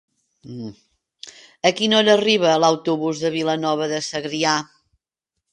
A quina hora arriba l'autobús de Vilanova de Segrià?